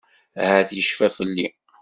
Ahat yecfa fell-i.